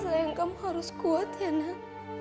sayang kamu harus kuat ya nak